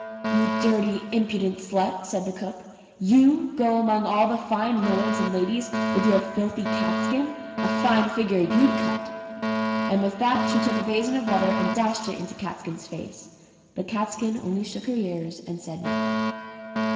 You dirty impudent slut," said the cook, "you go among all the fine lords and ladies with your filthy catskin .? A fine figure you'd cut !" and with that she took a basin of water and dashed it into Catskin's face. But Catskin only shook her ears and said nothing.